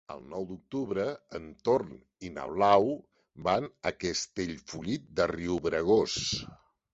El nou d'octubre en Tom i na Blau van a Castellfollit de Riubregós.